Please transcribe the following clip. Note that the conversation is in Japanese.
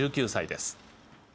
１９歳です。